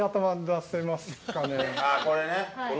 あぁこれね！